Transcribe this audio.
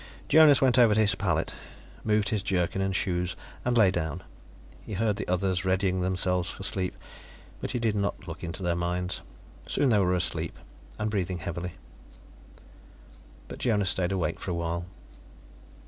Jonas went over to his pallet, removed his jerkin and shoes, and lay down. He heard the others readying themselves for sleep, but he did not look into their minds. Soon they were asleep and breathing heavily. But Jonas stayed awake for a while.